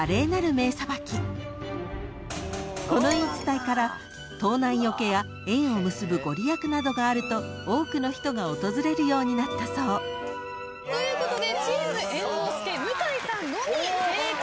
［この言い伝えから盗難よけや縁を結ぶ御利益などがあると多くの人が訪れるようになったそう］ということでチーム猿之助向井さんのみ正解。